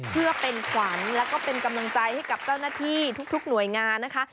เพื่อเป็นขวัญแล้วก็เป็นกำลังใจให้กับเจ้าหน้าที่ทุกหน่วยงานนะคะ